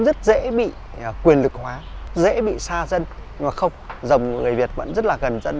rất dễ bị quyền lực hóa dễ bị xa dân mà không dòng người việt vẫn rất là gần dẫn